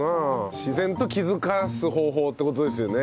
自然と気づかす方法って事ですよね